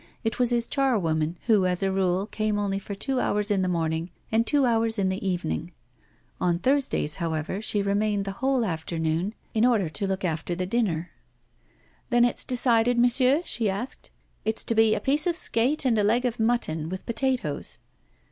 It was his charwoman, who, as a rule, came only for two hours in the morning and two hours in the evening. On Thursdays, however, she remained the whole afternoon in order to look after the dinner. 'Then it's decided, monsieur?' she asked. 'It's to be a piece of skate and a leg of mutton, with potatoes.